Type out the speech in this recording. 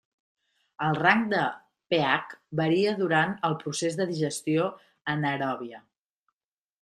El rang de pH varia durant el procés de digestió anaeròbia.